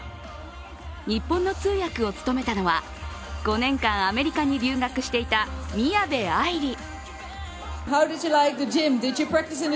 日本の通訳を務めたのは、５年間アメリカに留学していた宮部藍梨。